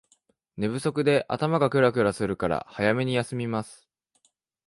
寝不足で頭がクラクラするから早めに休みます